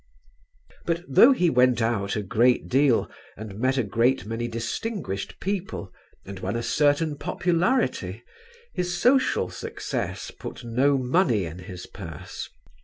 But though he went out a great deal and met a great many distinguished people, and won a certain popularity, his social success put no money in his purse.